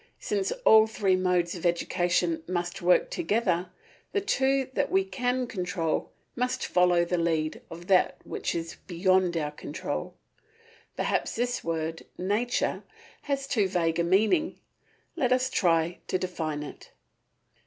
Since all three modes of education must work together, the two that we can control must follow the lead of that which is beyond our control. Perhaps this word Nature has too vague a meaning. Let us try to define it.